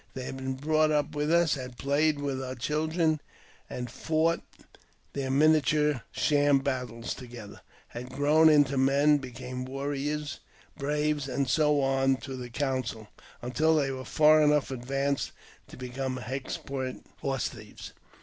They had been brought up with us, had played with our children, and fought their miniature sham battles together, A Blackfoot Woman. 1 JAMES P. BECKWOVBTH. 297 had grown into men, become warriors, braves, and so on to the council, until they were far enough advanced to become expert horse thieves.